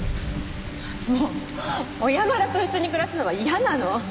もう小山田と一緒に暮らすのは嫌なの！